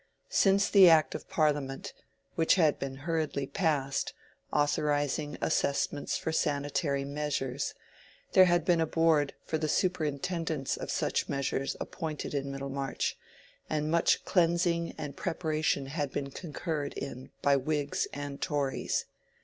Since the Act of Parliament, which had been hurriedly passed, authorizing assessments for sanitary measures, there had been a Board for the superintendence of such measures appointed in Middlemarch, and much cleansing and preparation had been concurred in by Whigs and Tories.